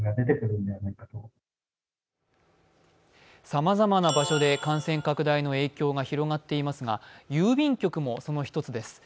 さまざまな場所で感染拡大の影響が広がっていますが郵便局もその１つです。